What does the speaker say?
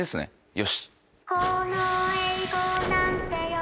よし」